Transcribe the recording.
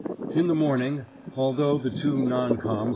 In the morning, although the two non coms.